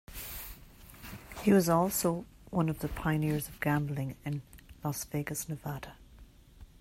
He was also one of the pioneers of gambling in Las Vegas, Nevada.